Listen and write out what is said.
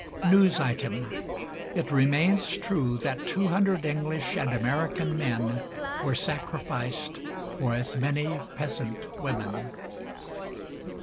(News Item: It remains true that two hundred English and American men were sacrificed for as many peasant women.")